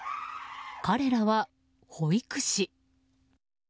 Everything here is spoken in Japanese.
彼らは保育士。